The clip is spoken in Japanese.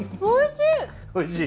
おいしい。